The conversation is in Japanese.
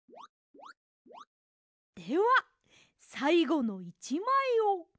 ではさいごの１まいを。